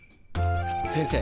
先生